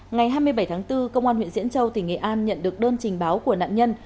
ngày hai mươi bảy tháng bốn công an huyện diễn châu tỉnh nghệ an nhận được đơn trình báo của nạn nhân